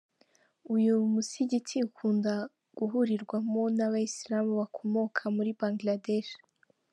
Uyu musigiti ukunda guhurirwamo n’aba-Islam bakomoka muri Bangladesh.